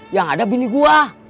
yang ada bini gua